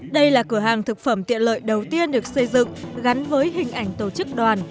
đây là cửa hàng thực phẩm tiện lợi đầu tiên được xây dựng gắn với hình ảnh tổ chức đoàn